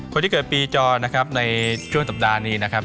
คนที่เกิดปีจอนะครับในช่วงสัปดาห์นี้นะครับ